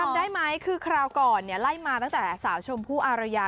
จำได้ไหมคือคราวก่อนไล่มาตั้งแต่สาวชมพู่อารยา